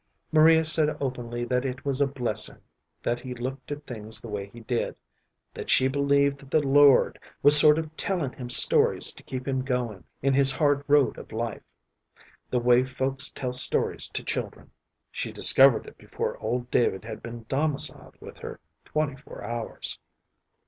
Maria said openly that it was a blessing that he looked at things the way he did, that she believed that the Lord was sort of tellin' him stories to keep him goin' in his hard road of life, the way folks tell stories to children. She discovered it before old David had been domiciled with her twenty four hours.